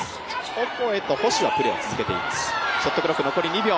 オコエと星はプレーを続けています。